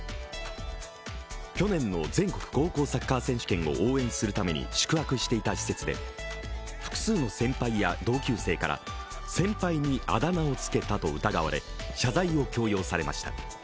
去年の全国高校サッカー選手権を応援するために宿泊していた施設で複数の先輩や同級生から先輩にあだ名をつけたと疑われ謝罪を強要されました。